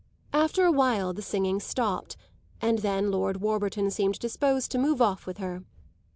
After a while the singing stopped and then Lord Warburton seemed disposed to move off with her.